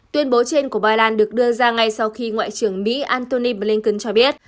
tuyên bố trên của ba lan được đưa ra ngay sau khi ngoại trưởng mỹ antony blinken cho biết